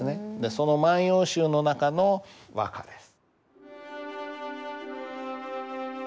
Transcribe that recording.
その「万葉集」の中の和歌です。